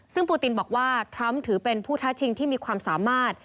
ซึ่งปูตินบอกว่าทรัมป์ถือเป็นผู้ท้าชิงที่มีความสามารถ